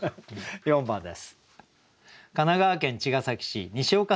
４番です。